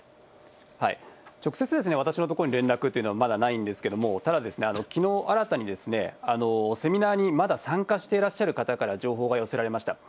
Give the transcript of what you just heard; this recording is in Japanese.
直接、私のところに連絡というのは、まだないんですけれども、ただ、きのう、新たにセミナーにまだ参加していらっしゃる方から情報が寄せられました。